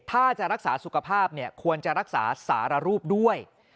ถ้าจะรักษาสุขภาพเนี่ยควรจะรักษาสารรูปด้วย